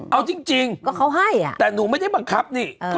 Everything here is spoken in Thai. เอาจริงก็เขาให้อ่ะแต่หนูไม่ได้บังคับนี่